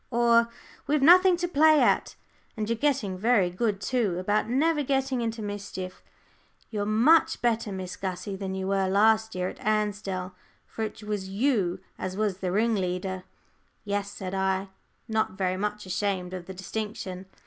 or, 'We've nothing to play at.' And you're getting very good, too, about never getting into mischief. You're much better, Miss Gussie, than you were last year at Ansdell: for it was you as was the ringleader." "Yes," said I, not very much ashamed of the distinction.